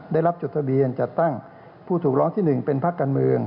ได้รับจดทะเบียนจัดตั้งผู้ถูกร้องที่๑เป็นพักการเมือง